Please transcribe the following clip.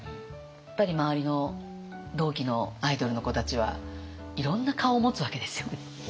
やっぱり周りの同期のアイドルの子たちはいろんな顔を持つわけですよね。